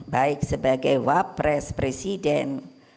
baik sebagai wapres presiden